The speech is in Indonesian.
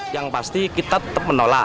yang pasti kita tetap menolak